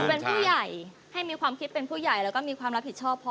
เป็นผู้ใหญ่ให้มีความคิดเป็นผู้ใหญ่แล้วก็มีความรับผิดชอบพอ